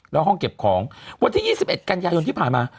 แล้วห้องเก็บของวันที่๒๑กันยายนที่ผ่านมา